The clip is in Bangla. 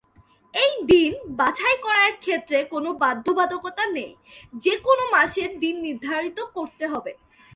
এই 'দিন' বাছাই করার ক্ষেত্রে কোনো বাধ্যবাধকতা নেই যে, কোন মাসে দিন নির্ধারণ করতে হবে।